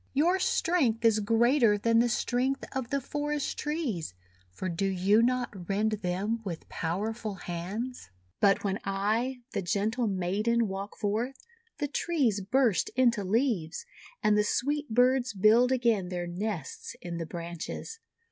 Your strength is greater than the strength of the forest trees, for do you not rend them with power ful hands? "But when I, the gentle maiden, walk forth, the trees burst into leaves, and the sweet birds build again their nests in the branches.